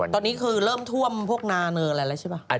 ตอนนี้คือเริ่มท่วมพวกนาเนินอะไรแล้วใช่ป่ะ